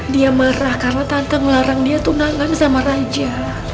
dia marah karena tante ngelarang dia tunangan sama raja